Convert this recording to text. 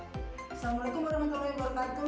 assalamualaikum warahmatullahi wabarakatuh